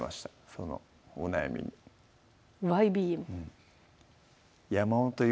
そのお悩みに「ＹＢＭ」？